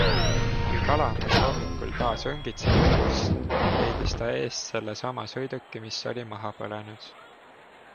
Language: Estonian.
Kui kalamees hommikul taas õngitsema läks, leidis ta eest selle sama sõiduki, mis oli maha põlenud.